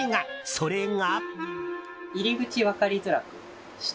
それが。